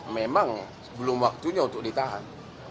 memang belum waktunya untuk ditahan